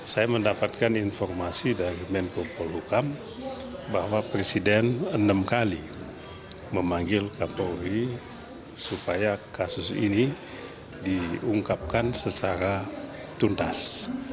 saya mendapatkan informasi dari menko polhukam bahwa presiden enam kali memanggil kapolri supaya kasus ini diungkapkan secara tuntas